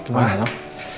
masih ada apa